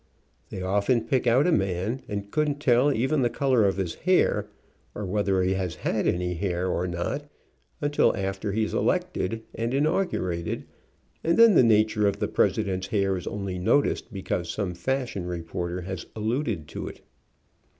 They often pick out a man, and couldn't tell even the color of his hair, or whether he had any hair or not, until after he is elected and inaugurated, and then the na ture of the President's hair is only noticed because some fashion reporter has alluded to it.